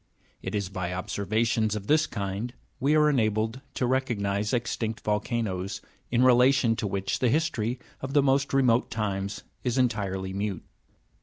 It is by observations of this kind we are enabled to recognise extinct volcanoes, in relation to which the history of the most remote times is entirely mute.